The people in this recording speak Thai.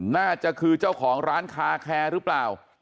น่าจะคือเจ้าของร้านคาแคร์หรือเปล่า